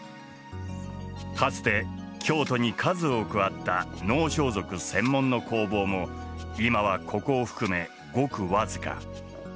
かつて京都に数多くあった能装束専門の工房も今はここを含めごく僅か。